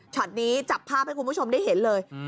นี้จับภาพให้คุณผู้ชมได้เห็นเลย